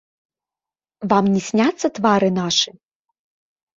Вам не сняцца твары нашы?